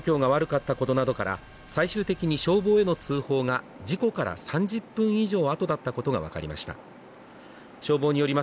電波状況が悪かったことなどから、最終的に消防への通報が、事故から３０分以上あとだったことがわかりました。